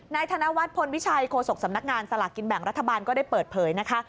ธนวัฒนพลวิชัยโฆษกสำนักงานสลากกินแบ่งรัฐบาลก็ได้เปิดเผยนะคะ